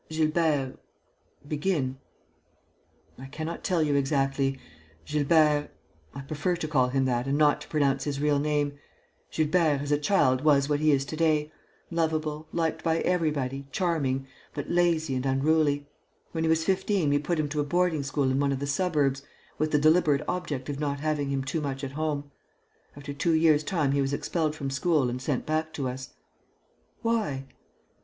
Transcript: . Gilbert ... begin?" "I cannot tell you exactly. Gilbert I prefer to call him that and not to pronounce his real name Gilbert, as a child, was what he is to day: lovable, liked by everybody, charming, but lazy and unruly. When he was fifteen, we put him to a boarding school in one of the suburbs, with the deliberate object of not having him too much at home. After two years' time he was expelled from school and sent back to us." "Why?"